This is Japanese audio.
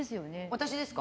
私ですか？